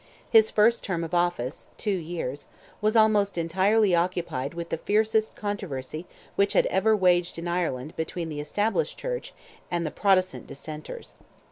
His first term of office—two years—was almost entirely occupied with the fiercest controversy which had ever waged in Ireland between the Established Church and the Protestant Dissenters.